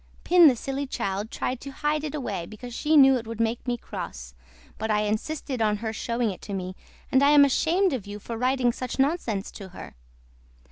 PIN THE SILLY CHILD TRIED TO HIDE IT AWAY BECAUSE SHE KNEW IT WOULD MAKE ME CROSS BUT I INSISTED ON HER SHOWING IT TO ME AND I AM ASHAMED OF YOU FOR WRITING SUCH NONSENSE TO HER.